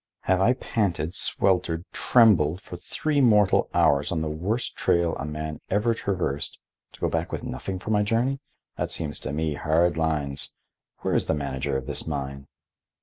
"Have I panted, sweltered, trembled, for three mortal hours on the worst trail a man ever traversed to go back with nothing for my journey? That seems to me hard lines. Where is the manager of this mine?"